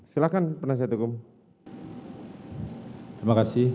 silahkan penasihat hukum